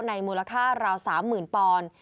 มูลค่าราว๓๐๐๐ปอนด์